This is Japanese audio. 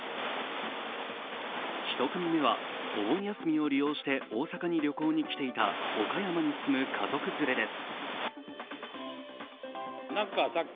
１組目は、お盆休みを利用して大阪に旅行に来ていた岡山に住む家族連れです。